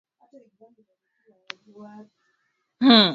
ilisema kwamba ilifanya kile iwezekanalo